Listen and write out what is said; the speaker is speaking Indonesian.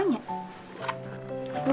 nanya aja deh